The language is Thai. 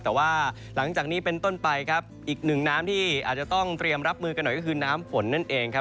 แต่ว่าหลังจากนี้เป็นต้นไปครับอีกหนึ่งน้ำที่อาจจะต้องเตรียมรับมือกันหน่อยก็คือน้ำฝนนั่นเองครับ